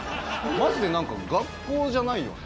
マジでなんか学校じゃないよね。